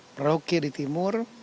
merauke di timur